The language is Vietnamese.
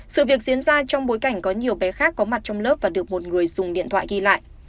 sự việc diễn ra trong bối cảnh có nhiều bé khác có mặt trong lớp và được một người dùng điện thoại ghi lại